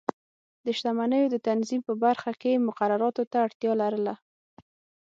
د شتمنیو د تنظیم په برخه کې مقرراتو ته اړتیا لرله.